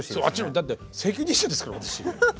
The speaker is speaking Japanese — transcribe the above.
だって責任者ですから私。